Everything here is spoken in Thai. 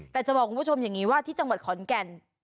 แต่จะบอกคุณผู้ชมอย่างนี้ว่าที่จังหวัดขอนแก่น